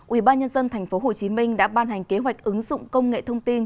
ubnd tp hcm đã ban hành kế hoạch ứng dụng công nghệ thông tin